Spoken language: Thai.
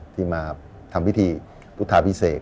ที่มาทำพิธีพุทธาพิเศษ